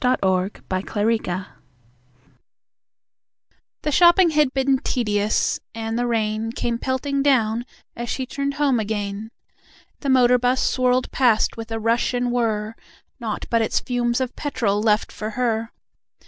The Street Player The shopping had been tedious, and the rain Came pelting down as she turned home again. The motor bus swirled past with rush and whirr, Nought but its fumes of petrol left for her.